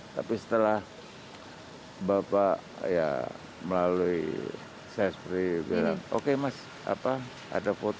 tapi setelah bapak ya melalui sespri bilang oke mas apa ada foto